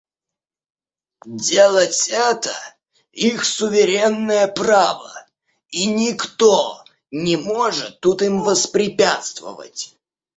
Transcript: Делать это — их суверенное право, и никто не может тут им воспрепятствовать.